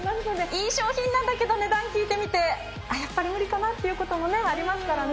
いい商品なんだけど値段聞いてみてやっぱり無理かなということもありますからね。